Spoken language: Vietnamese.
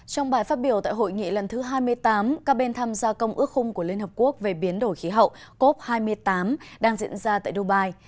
trong bài phát biểu tại hội nghị lần thứ hai mươi tám các bên tham gia công ước khung của liên hợp quốc về biến đổi khí hậu cop hai mươi tám đang diễn ra tại dubai